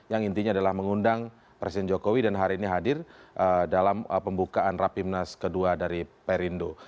yang intinya adalah mengundang presiden joko widodo dan hari ini hadir dalam pembukaan rapi nas kedua dari perindu